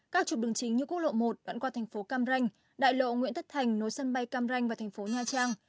các trục đường chính như quốc lộ một đoạn qua thành phố cam ranh đại lộ nguyễn thất thành nối sân bay cam ranh và thành phố nha trang